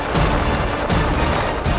dan menemukan kake guru